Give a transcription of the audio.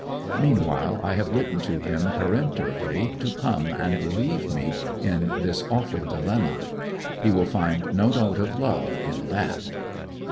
Meanwhile I have written to him, peremptorily, to come and relieve me in this awful dilemma. He will find no note of love in that.